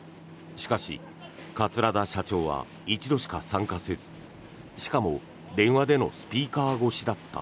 しかし、桂田社長は１度しか参加せずしかも電話でのスピーカー越しだった。